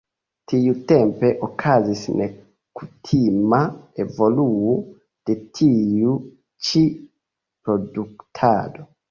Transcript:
Tiutempe okazis nekutima evoluo de tiu ĉi produktado.